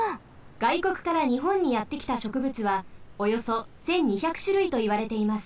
がいこくからにほんにやってきたしょくぶつはおよそ１，２００しゅるいといわれています。